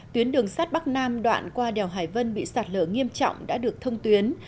tuyến đường sắt bắc nam đoạn qua đèo hải vân bị sạt lở nghiêm trọng đã được thông tuyến